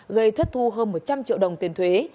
gây thất thu hơn một trăm linh triệu đồng tiền thuế